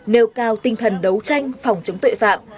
nêu cao tinh thần đấu tranh phòng chống tội phạm